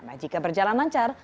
nah jika berjalan lancar